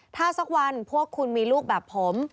ถ้าสักวันพวกคุณมีลูกแบบผม